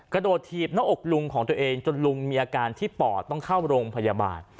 ถีบหน้าอกลุงของตัวเองจนลุงมีอาการที่ปอดต้องเข้าโรงพยาบาล